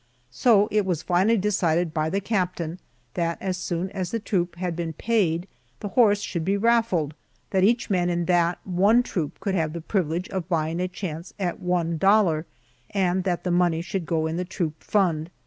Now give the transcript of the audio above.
So it was finally decided by the captain that as soon as the troop had been paid the horse should be raffled, that each man in that one troop could have the privilege of buying a chance at one dollar, and that the money should go in the troop fund.